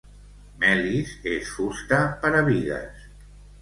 Melis és fusta per a bigues.